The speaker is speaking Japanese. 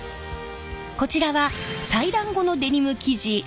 こちらは裁断後のデニム生地。